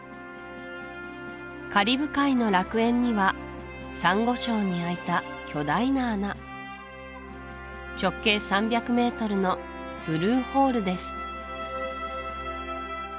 カリブ海の楽園にはサンゴ礁に開いた巨大な穴直径３００ｍのブルーホールです